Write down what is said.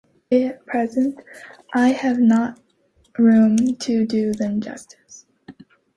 At present I have not room to do them justice.